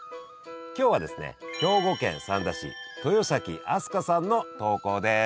今日はですね兵庫県三田市豊崎あすかさんの投稿です。